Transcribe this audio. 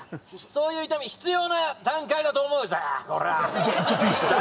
そういう痛み必要な段階だと思うからこれはじゃあいっちゃっていいっすか？